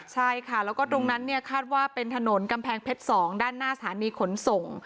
ใช่ค่ะแล้วก็ตรงนั้นเนี่ยคาดว่าเป็นถนนกำแพงเพชร๒ด้านหน้าสถานีขนส่ง